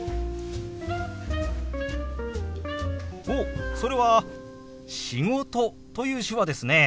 おっそれは「仕事」という手話ですね。